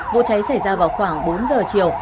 vụ cháy xảy ra vào khoảng bốn giờ chiều